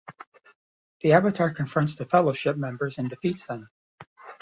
The Avatar confronts the Fellowship members and defeats them.